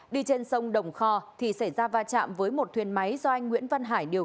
đi trên sông đồng kho thì xảy ra va chạm với một thuyền máy do anh nguyễn văn hết